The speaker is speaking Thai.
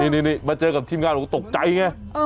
นี่มาเจอกับทีมงานบอกตกใจไง